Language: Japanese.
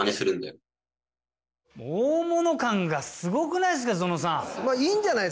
もう大物感がすごくないっすかゾノさん。